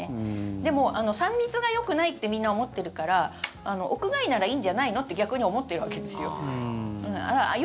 でも、３密がよくないってみんな思ってるから屋外ならいいんじゃないの？って逆に思ってるわけですよ。